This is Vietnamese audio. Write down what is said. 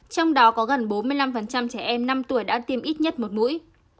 trong đó có gần bốn mươi năm trẻ em năm tuổi đã tiêm ít nhất một mũi